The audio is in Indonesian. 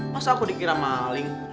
masa aku dikira maling